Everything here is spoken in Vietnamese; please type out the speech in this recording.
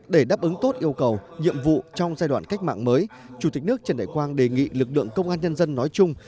để đáp ứng tốt yêu cầu nhiệm vụ trong giai đoạn cách mạng mới chủ tịch nước trần đại quang đề nghị lực lượng công an nhân dân nói chung